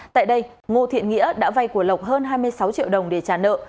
tại đây ngô thiện nghĩa đã vay của lộc hơn hai mươi sáu triệu đồng để trả nợ